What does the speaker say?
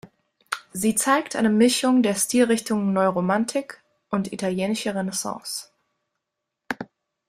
Sie zeigt eine Mischung der Stilrichtungen Neuromanik und italienische Renaissance.